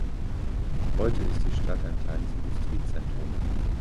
Heute ist die Stadt ein kleines Industriezentrum.